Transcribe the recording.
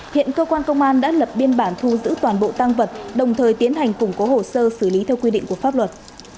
hiện cơ quan công an đã lập biên bản thu giữ toàn bộ tăng vật đồng thời tiến hành củng cố hồ sơ xử lý theo quy định của pháp luật